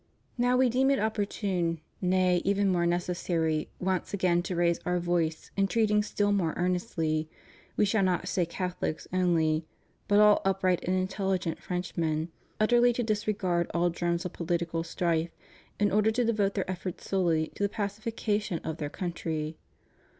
Now We deem it opportune, nay, even necessary, once again to raise Our voice entreating still more earnestly, We shall not say Catholics only, but all upright and intelligent Frenchmen, utterly to disregard all germs of poUtical strife in order to devote their efforts solely to the pacifica tion of their country.